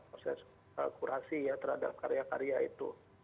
proses kurasi ya terhadap karya karya itu